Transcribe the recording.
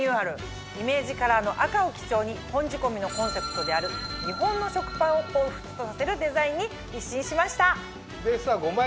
イメージカラーの赤を基調に本仕込のコンセプトである日本の食パンをほうふつとさせるデザインに一新しました。